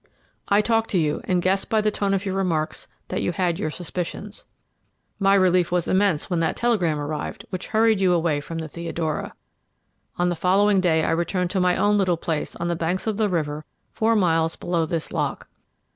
I talked to you, and guessed by the tone of your remarks that you had your suspicions. My relief was immense when that telegram arrived which hurried you away from the Theodora. On the following day I returned to my own little place on the banks of the river four miles below this lock.